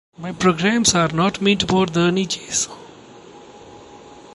My programs are not meant for the niches.